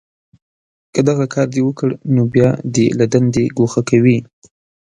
که دغه کار دې وکړ، نو بیا دې له دندې گوښه کوي